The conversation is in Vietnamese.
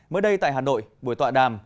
mới đây tại hà nội buổi tọa đàm